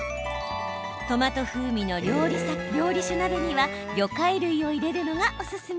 トマト風味の料理酒鍋には魚介類を入れるのがおすすめ。